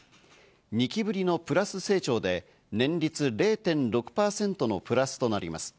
２期ぶりのプラス成長で年率０．６％のプラスとなります。